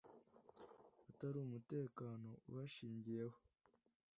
Atari umutekano ubashingiyeho